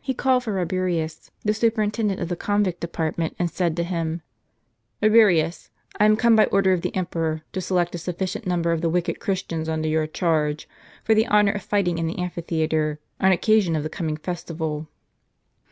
He called for Eabirius, the superintendent of the convict department, and said to him : "Rabirius, I am come by order of the emperor, to select a sufficient number of the wicked Christians under your charge, for the honor of fighting in the amphitheatre, on occasion of the coming festival."